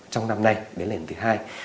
trong năm nay đến lần thứ hai